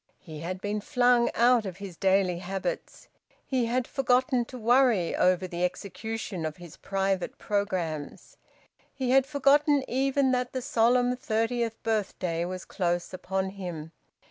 He had been flung out of his daily habits. He had forgotten to worry over the execution of his private programmes. He had forgotten even that the solemn thirtieth birthday was close upon him.